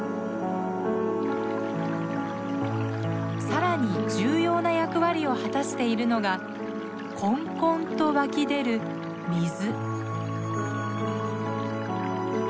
更に重要な役割を果たしているのがこんこんと湧き出る水。